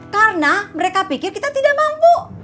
karena mereka pikir kita tidak mampu